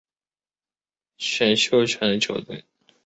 费城勇士是拥有最多次地缘选秀选秀权的球队。